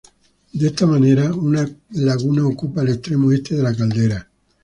De esta manera, una laguna ocupa el extremo este de la caldera.